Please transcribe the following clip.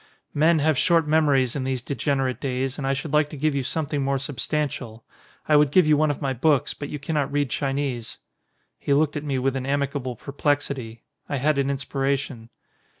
"Men have short memories in these degenerate days, and I should like to give you something more substantial. I would give you one of my books, but you cannot read Chinese." He looked at me with an amicable perplexity. I had an inspiration.